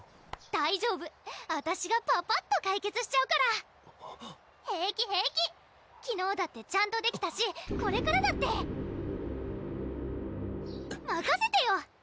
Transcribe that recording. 大丈夫あたしがぱぱっと解決しちゃうから平気平気昨日だってちゃんとできたしこれからだってまかせてよ！